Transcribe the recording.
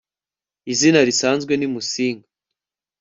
izina risanzwe ni musinga